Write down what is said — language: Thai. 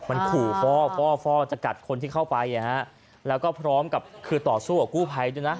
มันขู่ฟ่อฟ่อจะกัดคนที่เข้าไปแล้วก็พร้อมกับคือต่อสู้กับกู้ภัยด้วยนะ